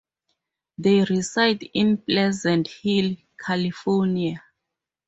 They reside in Pleasant Hill, California.